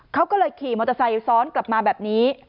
เขาก็เลยขี่มอเตอร์ไซค์ซ้อนกลับมาแบบนี้